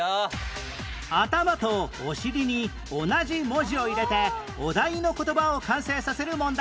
頭とお尻に同じ文字を入れてお題の言葉を完成させる問題